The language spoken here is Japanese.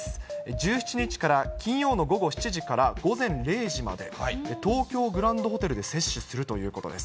１７日から金曜の午後７時から午前０時まで、東京グランドホテルで接種するということです。